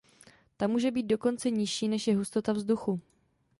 Ta může být dokonce nižší než je hustota vzduchu.